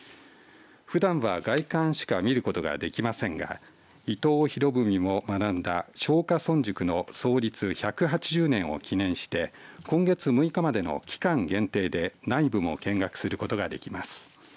ふだんは、外観しか見ることができませんが伊藤博文も学んだ松下村塾の創立１８０年を記念して今月６日までの期間限定で内部も見学することができます。